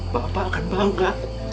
bapak akan bangga